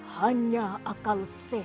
hanya aku yang berharga